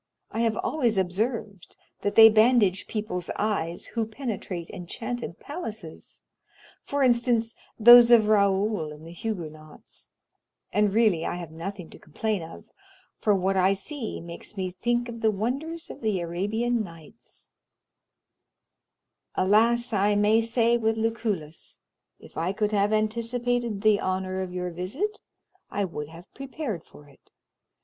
I have always observed that they bandage people's eyes who penetrate enchanted palaces, for instance, those of Raoul in the Huguenots, and really I have nothing to complain of, for what I see makes me think of the wonders of the Arabian Nights." 20079m "Alas! I may say with Lucullus, if I could have anticipated the honor of your visit, I would have prepared for it.